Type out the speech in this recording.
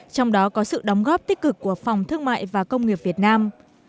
trong đó có sự đóng góp tích cực của phòng thương mại và công nghiệp việt nam